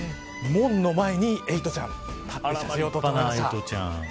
門の前にエイトちゃん立っています。